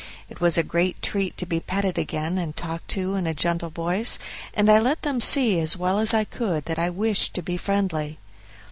It was a great treat to be petted again and talked to in a gentle voice, and I let them see as well as I could that I wished to be friendly.